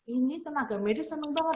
ini tenaga medis senang banget